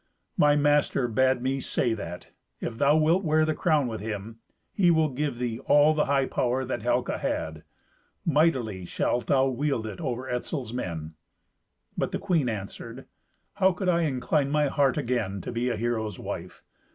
My master bade me say that, if thou wilt wear the crown with him, he will give thee all the high power that Helca had. Mightily shalt thou wield it over Etzel's men." But the queen answered, "How could I incline my heart again to be a hero's wife?